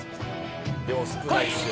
「でも少ないですよ」